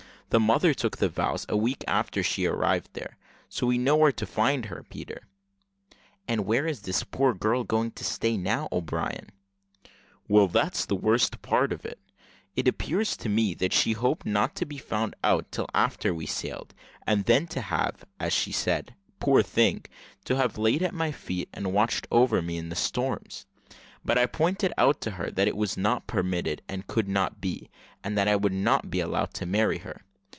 The mother took the vows a week after she arrived there, so we know where to find her, Peter." "And where is the poor girl going to stay now, O'Brien?" "That's all the worst part of it. It appears that she hoped not to be found out till after we had sailed, and then to have as she said, poor thing! to have laid at my feet and watched over me in the storms; but I pointed out to her that it was not permitted, and could not be, and that I would not be allowed to marry her.